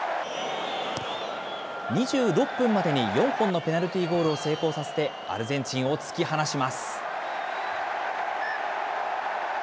２６分までに４本のペナルティーゴールを成功させて、アルゼンチンを突き放します。